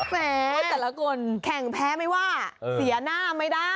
แต่แข่งแพ้ไม่ว่าเสียหน้าไม่ได้